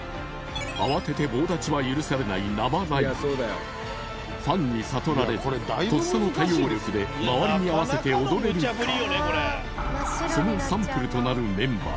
慌てて棒立ちは許されない生ライブファンに悟られずとっさの対応力で周りに合わせて踊れるか？